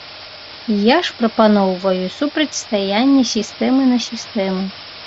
Я ж прапаноўваю супрацьстаянне сістэмы на сістэму.